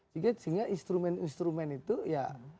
sehingga instrumen instrumen itu ya